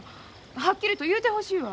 はっきりと言うてほしいわ。